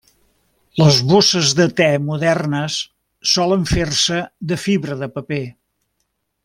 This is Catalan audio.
Les bosses de te modernes solen fer-se de fibra de paper.